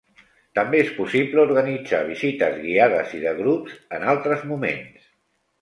També és possible organitzar visites guiades i de grups en altres moments.